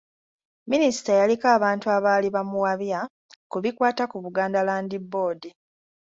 Minisita yaliko abantu abaali bamuwabya ku bikwata ku Buganda Land Board.